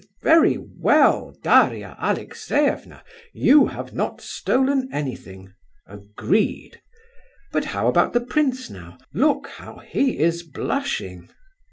"H'm! very well, Daria Alexeyevna; you have not stolen anything—agreed. But how about the prince, now—look how he is blushing!"